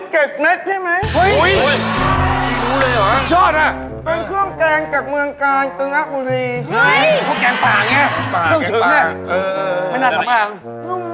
ไข่พริกเก็บเม็ดใช่ไหม